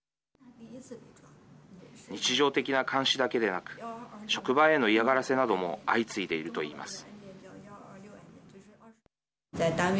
日常的な監視だけでなく職場への嫌がらせなども相次いでいるといいます。